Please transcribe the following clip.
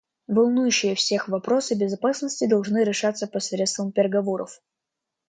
Волнующие всех вопросы безопасности должны решаться посредством переговоров.